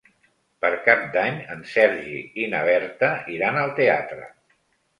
Per Cap d'Any en Sergi i na Berta iran al teatre.